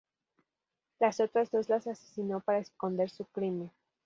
Las otras dos las asesinó para esconder su crimen.